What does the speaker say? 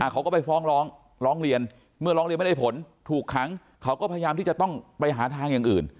เขาก็ไปฟ้องร้องร้องเรียนเมื่อร้องเรียนไม่ได้ผลถูกขังเขาก็พยายามที่จะต้องไปหาทางอย่างอื่น